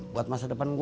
buat masa depan gue